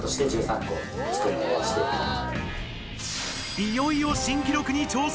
いよいよ新記録に挑戦！